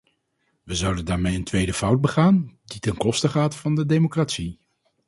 We zouden daarmee een tweede fout begaan, die ten koste gaat van de democratie.